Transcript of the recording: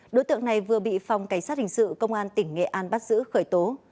đối tượng này vừa bị phòng cảnh sát hình sự công an tỉnh nghệ an bắt giữ khởi tố